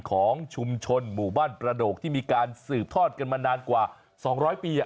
ของชุมชนหมู่บ้านประโดกที่มีการสืบทอดกันมานานกว่า๒๐๐ปี